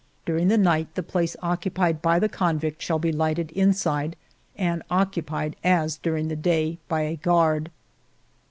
During the night, the place occupied by the convict shall be lighted inside and occupied as during the day by a guard."